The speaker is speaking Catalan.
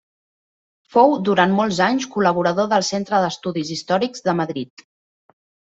Fou durant molts anys, col·laborador del Centre d'Estudis Històrics de Madrid.